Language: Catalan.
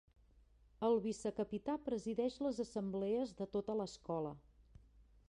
El vicecapità presideix les assemblees de tota l'escola.